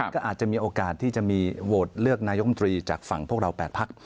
ก็อาจจะมีโอกาสที่จะมีโหวตเลือกนายกรรมตรีจากฝั่งพวกเรา๘พัก